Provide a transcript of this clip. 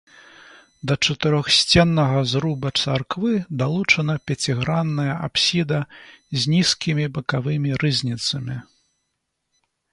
Да чатырохсценнага зруба царквы далучана пяцігранная апсіда з нізкімі бакавымі рызніцамі.